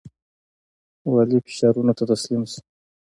والي فشارونو ته تسلیم شو.